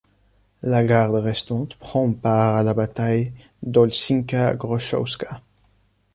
La Garde restante prend part à la bataille d'Olszynka Grochowska.